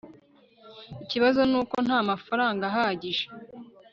ikibazo nuko ntamafaranga ahagije